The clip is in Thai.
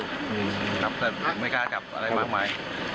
ครับแต่ผมไม่กล้าจับอะไรมากมาย